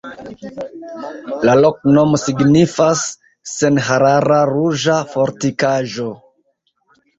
La loknomo signifas: senharara-ruĝa-fortikaĵo.